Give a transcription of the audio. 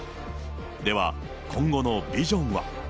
では、今後のビジョンは。